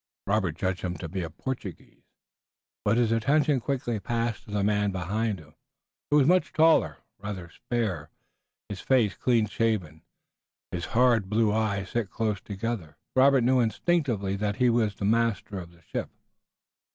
Robert judged him to be a Portuguese. But his attention quickly passed to the man behind him, who was much taller, rather spare, his face clean shaven, his hard blue eyes set close together. Robert knew instinctively that he was master of the ship.